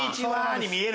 に見える。